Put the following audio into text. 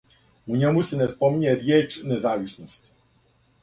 У њему се не спомиње ријеч независност.